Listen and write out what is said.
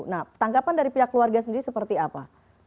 nah tanggapan dari pihak keluarga sendiri seperti apa